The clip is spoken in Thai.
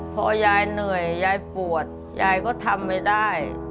พอยายเหนื่อยยายปวดยายก็ทำไม่ได้